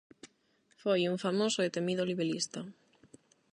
Foi un famoso e temido libelista.